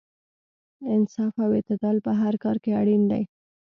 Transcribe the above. انصاف او اعتدال په هر کار کې اړین دی.